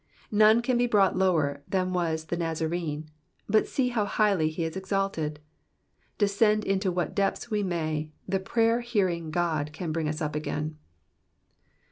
None can be brought lower than was the Nazarene, but see how highly he is exalted : descend into what depths we may, the prayer hearing God can bring us up again.